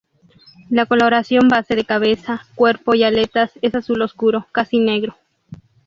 La coloración base de cabeza, cuerpo y aletas es azul oscuro, casi negro.